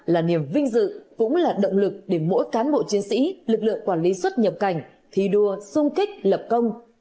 là niềm vinh dự cũng là động lực để mỗi cán bộ chiến sĩ lực lượng quản lý xuất nhập cảnh thi đua sung kích lập công